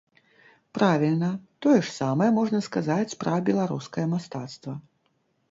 Правільна, тое ж самае можна сказаць пра беларускае мастацтва.